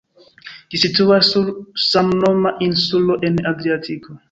Ĝi situas sur samnoma insulo en Adriatiko.